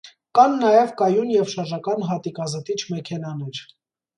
Կան նաև կայուն և շարժական հատիկազտիչ մեքենաներ։